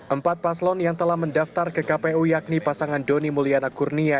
empat paslon yang telah mendaftar ke kpu yakni pasangan doni mulyana kurnia